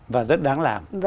và rất đáng làm